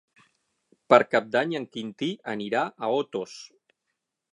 Per Cap d'Any en Quintí anirà a Otos.